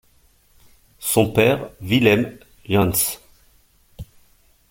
Son père Willem Jansz.